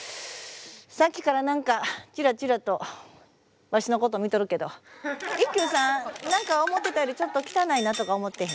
さっきから何かチラチラとわしのこと見とるけど一休さん何か思ってたよりちょっと汚いなとか思ってへんか？